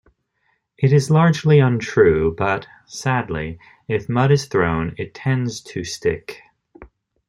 It is largely untrue, but, sadly, if mud is thrown it tends to stick.